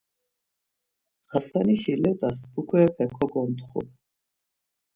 Xasanişi let̆as pukurepe kogontxu.